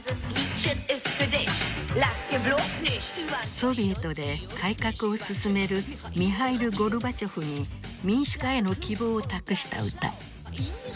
ソビエトで改革を進めるミハイル・ゴルバチョフに民主化への希望を託した歌。